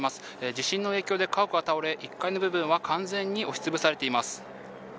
地震の影響で家屋が倒れ、１階の部分は完全に押しつぶされています。